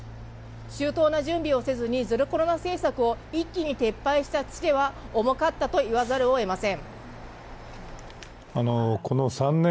周到な準備をせずにゼロコロナ政策を一気に撤廃した付けは重かったと言わざるをえません。